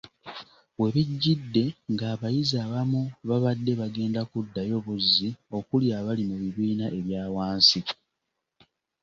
We bijjidde ng’abayizi abamu babadde bagenda kuddayo buzzi okuli abali mu bibiina ebya wansi.